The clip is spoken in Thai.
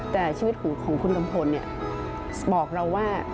แต่ชีวิตของคุณกัมพลบอกเราว่า